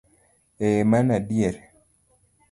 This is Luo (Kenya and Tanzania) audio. Ee, mano adier!